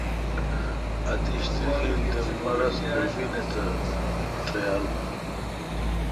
اتیش تریجیل تے مہ رس قربینی تہ تریارون۔